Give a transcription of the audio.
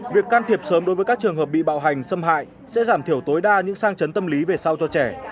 việc can thiệp sớm đối với các trường hợp bị bạo hành xâm hại sẽ giảm thiểu tối đa những sang chấn tâm lý về sau cho trẻ